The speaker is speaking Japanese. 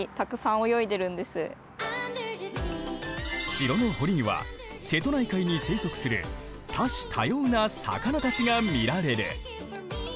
城の堀には瀬戸内海に生息する多種多様な魚たちが見られる。